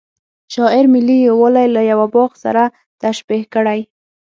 شاعر ملي یوالی له یوه باغ سره تشبه کړی.